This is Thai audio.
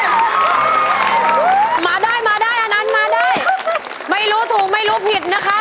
มาได้มาได้อันนั้นมาได้ไม่รู้ถูกไม่รู้ผิดนะคะ